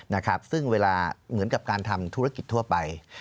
นะครับซึ่งเวลาเหมือนกับการทำธุรกิจทั่วไป